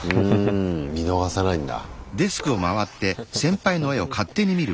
うん見逃さないんだ。